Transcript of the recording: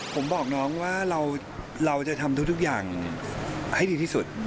ผมบอกน้องว่าเราจะทำทุกอย่างให้ดีที่สุด